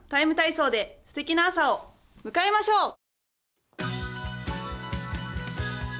ＴＩＭＥ，体操」ですてきな朝を迎えましょう！